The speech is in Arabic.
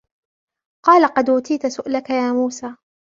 قَالَ قَدْ أُوتِيتَ سُؤْلَكَ يَا مُوسَى